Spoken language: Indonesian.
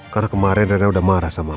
karena kemarin rena udah marah sama aku